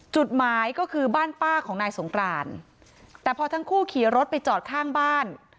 จุดหมายก็คือบ้านป้าของนายสงกรานแต่พอทั้งคู่ขี่รถไปจอดข้างบ้าน